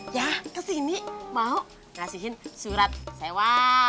ya kesini mau ngasihin surat sewa